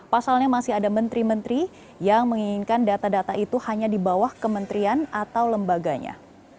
pasalnya masih ada menteri menteri yang menginginkan data data itu hanya di bawah kementerian atau lembaganya